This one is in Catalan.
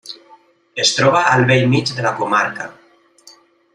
Es troba al bell mig de la comarca.